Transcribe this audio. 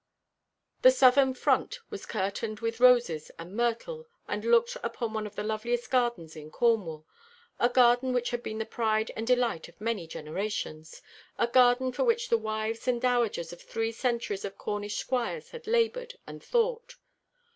The southern front was curtained with roses and myrtle, and looked upon one of the loveliest gardens in Cornwall a garden which had been the pride and delight of many generations a garden for which the wives and dowagers of three centuries of Cornish squires had laboured and thought.